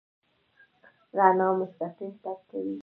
رڼا مستقیم تګ کوي.